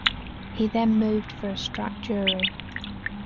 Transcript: He then moved for a struck jury.